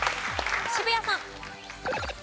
渋谷さん。